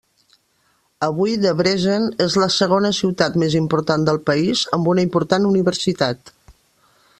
Avui Debrecen és la segona ciutat més important del país, amb una important universitat.